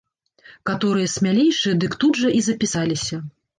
Каторыя смялейшыя, дык тут жа і запісаліся.